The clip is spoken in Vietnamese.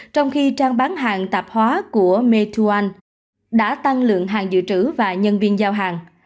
trong khi trang bán hàng tạp hóa của methoan đã tăng lượng hàng dự trữ và nhân viên giao hàng